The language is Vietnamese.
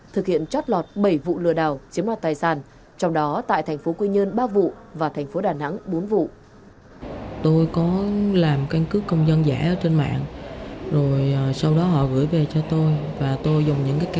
thực hiện trót lọt bảy vụ lừa đảo chiếm đoạt tài sản trong đó tại thành phố quy nhơn ba vụ và thành phố đà nẵng bốn vụ